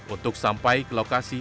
untuk sampai ke lokasi